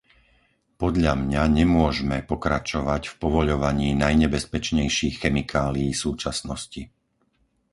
Podľa mňa nemôžme pokračovať v povoľovaní najnebezpečnejších chemikálií súčasnosti.